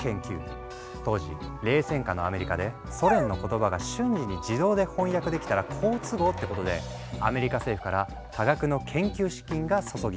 当時冷戦下のアメリカでソ連の言葉が瞬時に自動で翻訳できたら好都合ってことでアメリカ政府から多額の研究資金が注ぎ込まれた。